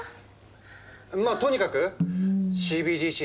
まあとにかくＣＢＤＣ